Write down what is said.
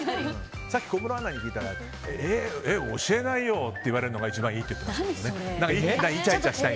さっき小室アナに聞いたら教えないよって言われるのが一番いいって言ってました。